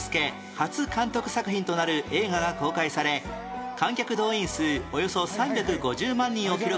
初監督作品となる映画が公開され観客動員数およそ３５０万人を記録する大ヒット